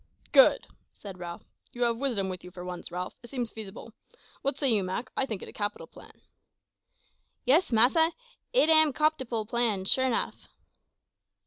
"Good," said Jack; "you have wisdom with you for once, Ralph it seems feasible. What say you, Mak? I think it a capital plan." "Yis, massa, it am a copitle plan, sure 'nuff."